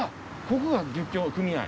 ここが漁協組合。